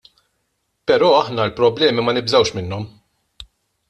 Pero ' aħna l-problemi ma nibżgħux minnhom.